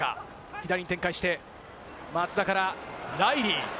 左に展開して、松田からライリー。